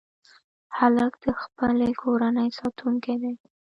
هلک د خپلې کورنۍ ساتونکی دی.